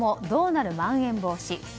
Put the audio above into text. どうなるまん延防止。